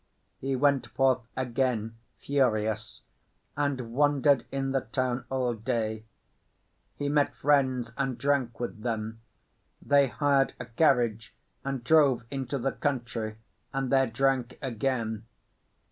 He went forth again furious, and wandered in the town all day. He met friends, and drank with them; they hired a carriage and drove into the country, and there drank again.